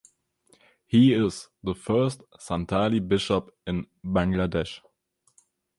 He is the first Santali Bishop in Bangladesh.